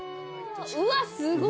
うわっすごい。